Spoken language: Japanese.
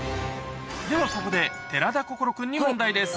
ではここで、寺田心君に問題です。